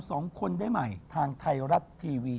สองคนได้ใหม่ทางไทยรัฐทีวี